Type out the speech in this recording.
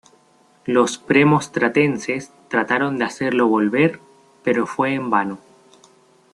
Los premonstratenses trataron de hacerlo volver, pero fue en vano.